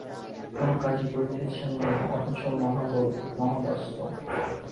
কোনো কাজই করিতেছেন না অথচ মহা গোল, মহা ব্যস্ত।